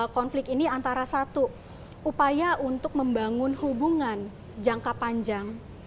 konflik ini antara satu upaya untuk membangun hubungan jangka panjang